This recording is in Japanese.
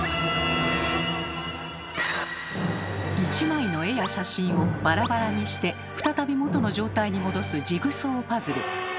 １枚の絵や写真をバラバラにして再び元の状態に戻すジグソーパズル。